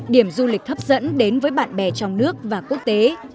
điểm du lịch hấp dẫn đến với bạn bè trong nước và quốc tế